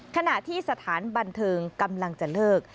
ขณะที่สถานบันเทิงกำลังจะเลิก